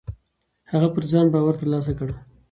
هغه پر ځان باور ترلاسه کړ.